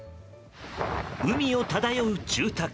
海を漂う住宅